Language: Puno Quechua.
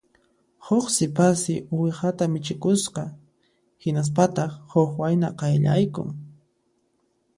Huk sipassi uwihata michikusqa; hinaspataq huk wayna qayllaykun